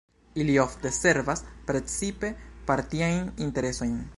Ili ofte servas precipe partiajn interesojn.